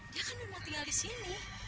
dia kan memang tinggal di sini